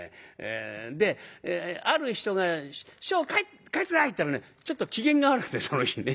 である人が「師匠書いて下さい」って言ったらねちょっと機嫌が悪くてその日ね。